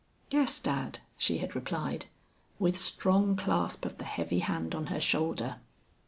"Yes, dad," she had replied, with strong clasp of the heavy hand on her shoulder.